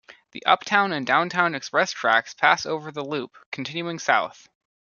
The uptown and downtown express tracks pass over the loop, continuing south.